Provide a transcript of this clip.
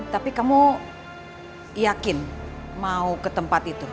tapi kamu yakin mau ke tempat itu